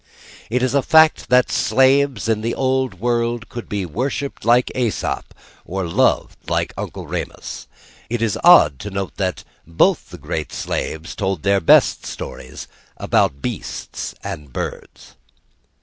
It is a fact that slaves in the old world could be worshipped like Æsop, or loved like Uncle Remus. It is odd to note that both the great slaves told their best stories about beasts and birds.